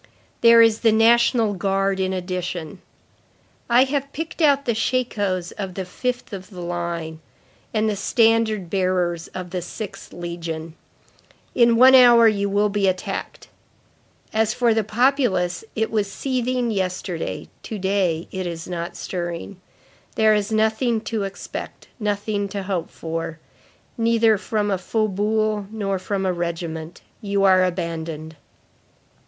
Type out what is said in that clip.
There is the National Guard in addition. I have picked out the shakos of the fifth of the line, and the standard bearers of the sixth legion. In one hour you will be attacked. As for the populace, it was seething yesterday, to day it is not stirring. There is nothing to expect; nothing to hope for. Neither from a faubourg nor from a regiment. You are abandoned."